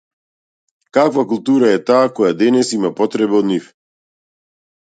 Каква култура е таа која денес има потреба од нив?